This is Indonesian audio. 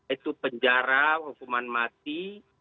itu penjara hukuman mati